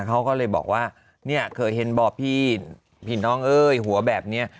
เขาก็เลยบอกว่าเนี่ยเคยเห็นบ่อพี่ผีน้องเอ้ยหัวแบบนี้